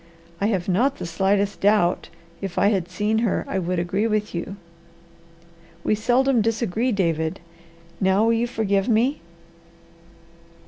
I have not the slightest doubt if I had seen her I would agree with you. We seldom disagree, David. Now, will you forgive me?"